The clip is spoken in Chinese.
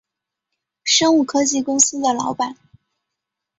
生物科技公司的老板